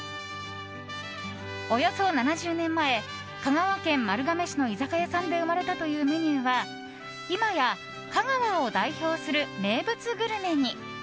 およそ７０年前香川県丸亀市の居酒屋さんで生まれたというメニューは今や香川を代表する名物グルメに。